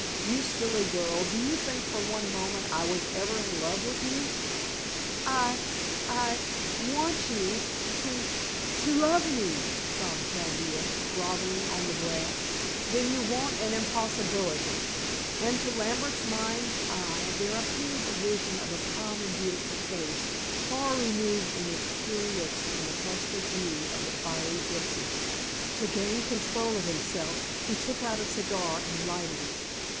You silly girl, do you think that for one moment I was ever in love with you?" "I I want you to to love me," sobbed Chaldea, grovelling on the grass. "Then you want an impossibility," and to Lambert's mind's eye there appeared the vision of a calm and beautiful face, far removed in its pure looks from the flushed beauty of the fiery gypsy. To gain control of himself, he took out a cigar and lighted it.